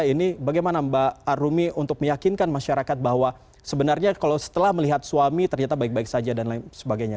ini bagaimana mbak arumi untuk meyakinkan masyarakat bahwa sebenarnya kalau setelah melihat suami ternyata baik baik saja dan lain sebagainya